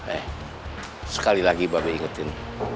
eh sekali lagi babi ingetin